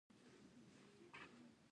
آیا د ایران پارلمان مجلس نه نومیږي؟